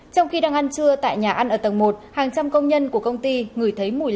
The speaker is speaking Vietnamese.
trong khi đang ăn trưa tại nhà ăn ở tầng một hàng trăm công nhân của công ty